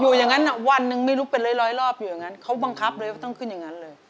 อยู่อย่างนั้นวันหนึ่งไม่รู้เป็นร้อยรอบอยู่อย่างนั้นเขาบังคับเลยว่าต้องขึ้นอย่างนั้นเลย